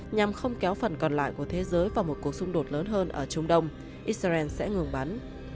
nhằm không kéo phần còn lại của thế giới vào một cuộc xung đột lớn hơn ở trung đông israel sẽ ngừng bắn